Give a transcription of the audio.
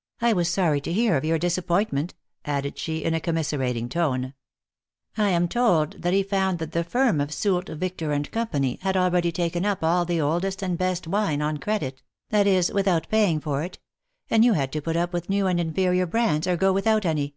" I was sorry to hear of yonr disappointment," added she, in a commiserating tone. "I am told that he found that the firm of Soult, Victor & Co., had al ready taken up all the oldest and best wine on credit, that is, without paying for it ; and you had to put up with new and inferior brands, or go without any."